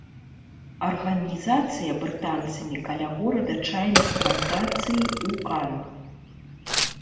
Арганізацыя брытанцамі каля горада чайных плантацый у кан.